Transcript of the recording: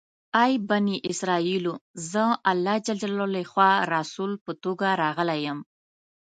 ای بني اسرایلو! زه الله جل جلاله لخوا رسول په توګه راغلی یم.